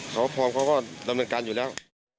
เขาพร้อมเขาก็ดำเนินการอยู่แล้ว